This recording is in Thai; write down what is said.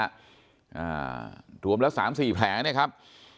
อ่าถวมแล้ว๓๔แผลนะครับ